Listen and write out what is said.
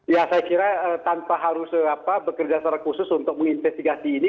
ya saya kira tanpa harus bekerja secara khusus untuk menginvestigasi ini